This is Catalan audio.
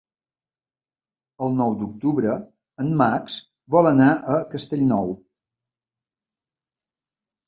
El nou d'octubre en Max vol anar a Castellnou.